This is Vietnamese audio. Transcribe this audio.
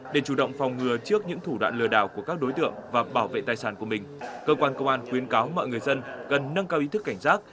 để chủ động phòng ngừa trước những thủ đoạn lừa đảo của các đối tượng và bảo vệ tài sản của mình cơ quan công an khuyến cáo mọi người dân cần nâng cao ý thức cảnh giác